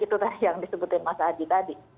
itu yang disebutin mas haji tadi